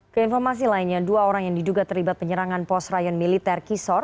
keinformasi lainnya dua orang yang diduga terlibat penyerangan pos rayon militer kisor